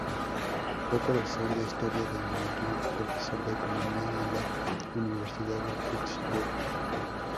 Fue profesor de historia de Mellon, profesor de economía en la Universidad de Pittsburgh.